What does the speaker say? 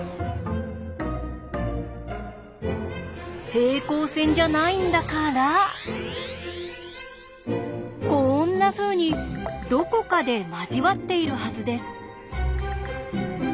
平行線じゃないんだからこんなふうにどこかで交わっているはずです。